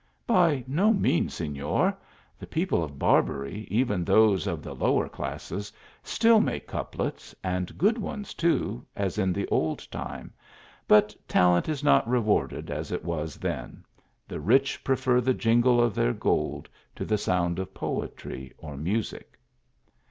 " "By no means, Sefior; the people of Barbery, even those of the lower classes, still make couplets, and good ones too, as in the old time, but talent is not rewarded as it was then : the rich prefer the jingle of their gold to the sound of poetry or music."